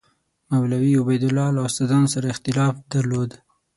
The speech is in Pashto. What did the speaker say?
مولوي عبیدالله له استادانو سره اختلاف درلود.